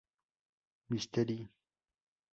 Mystery Inc.